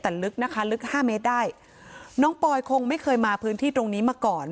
แต่ลึกนะคะลึกห้าเมตรได้น้องปอยคงไม่เคยมาพื้นที่ตรงนี้มาก่อน